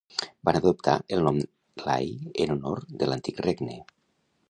Van adoptar el nom Lai en honor de l'antic regne.